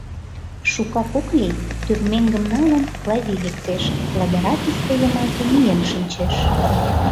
Шукак ок лий, тӱрмеҥгым налын, Клавий лектеш, ладыра писте йымаке миен шинчеш.